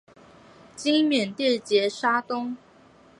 今缅甸杰沙东。